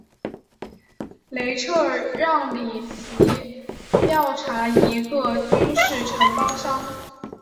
雷彻让里奇调查一个军事承包商。